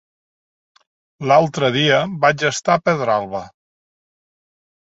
L'altre dia vaig estar a Pedralba.